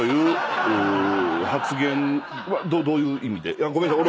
いやごめんなさい。